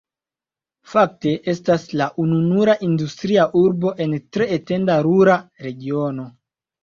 Fakte estas la ununura industria urbo en tre etenda rura regiono.